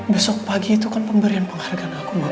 besok pagi itu kan pemberian penghargaan aku